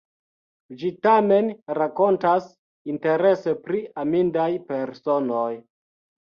Ĝi tamen rakontas interese pri amindaj personoj.